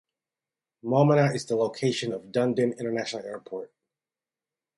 Momona is the location of Dunedin International Airport.